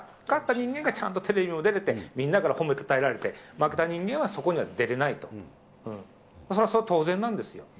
勝った人間がちゃんとテレビも出れて、みんなから褒めたたえられて、負けた人間はそこには出れないと、それは当然なんですよ。